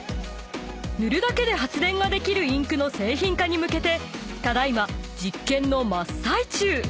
［塗るだけで発電ができるインクの製品化に向けてただ今実験の真っ最中］